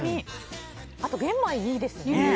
あと玄米、いいですね。